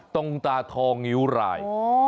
ตรงตาทองิวราย